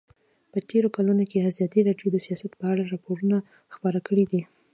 په تېرو کلونو کې ازادي راډیو د سیاست په اړه راپورونه خپاره کړي دي.